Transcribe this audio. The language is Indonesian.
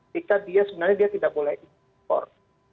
jika dia sebenarnya dia tidak boleh impor